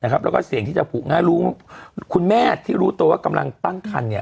แล้วก็เสี่ยงที่จะผูกง่ายรู้คุณแม่ที่รู้ตัวว่ากำลังตั้งคัน